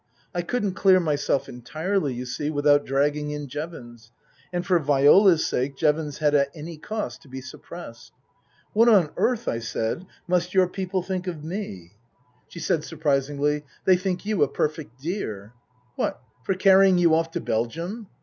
I couldn't clear myself entirely, you see, without dragging in Jevons, and for Viola's sake Jevons had at any cost to be suppressed. "What on earth," I said, "must your people think of me ?" 88 Tasker Jevons She said surprisingly, " They think you a perfect dear." " What, for carrying you off to Belgium